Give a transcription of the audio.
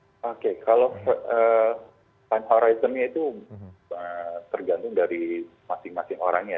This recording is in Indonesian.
oke kalau time horizonnya itu tergantung dari masing masing orang ya